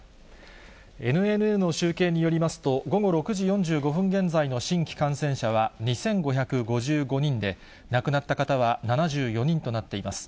ＮＮＮの集計によりますと、午後６時４５分現在の新規感染者は２５５５人で、亡くなった方は７４人となっています。